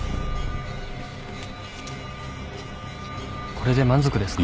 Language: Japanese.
これで満足ですか？